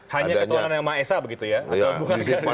hanya ketualangan sama esa begitu ya